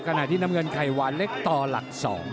ขณะที่น้ำเงินไข่หวานเล็กต่อหลัก๒